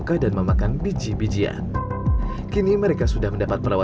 dari informasi medis mereka tidak berbahaya